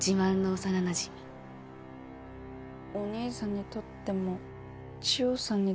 お兄さんにとっても千代さんにとっても？